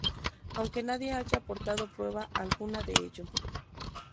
Aunque nadie haya aportado prueba alguna de ello.